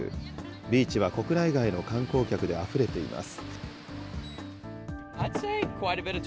ビーチは国内外の観光客であふれています。